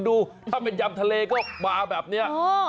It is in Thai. ดูถ้าเป็นยำทะเลก็มาแบบนี้